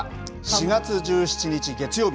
４月１７日月曜日。